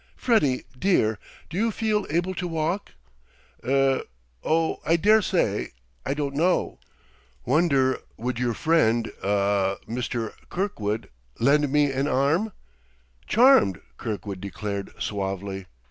"Freddie, dear, do you feel able to walk?" "Eh? Oh, I dare say I don't know. Wonder would your friend ah Mr. Kirkwood, lend me an arm?" "Charmed," Kirkwood declared suavely.